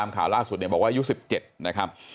อายุ๑๗นะครับ